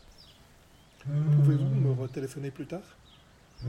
Pouvez-vous me retéléphoner plus tard ?